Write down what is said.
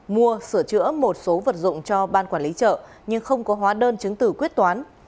mua sửa chữa một số vật dụng cho ban quản lý chợ nhưng không có hóa đơn chứng tử quyết toán